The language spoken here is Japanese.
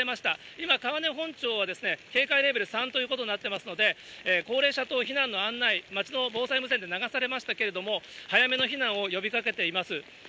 今、川根本町は警戒レベル３ということになってますので、高齢者等避難の案内、町の防災無線で流されましたけれども、早めの避難を呼びかけています。